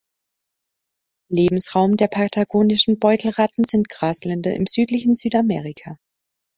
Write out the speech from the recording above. Lebensraum der Patagonischen Beutelratten sind Grasländer im südlichen Südamerika.